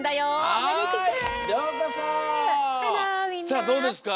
さあどうですか？